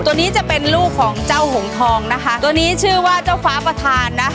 ตัวนี้จะเป็นลูกของเจ้าหงทองนะคะตัวนี้ชื่อว่าเจ้าฟ้าประธานนะ